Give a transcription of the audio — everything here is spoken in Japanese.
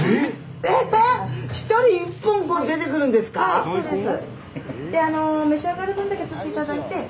はいそうです。